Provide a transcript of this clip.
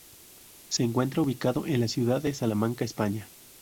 Se encuentra ubicado en la ciudad de Salamanca, España.